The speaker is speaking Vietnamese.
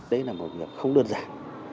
đấy là một việc không đơn giản